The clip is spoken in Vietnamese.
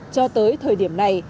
cho tới thời điểm này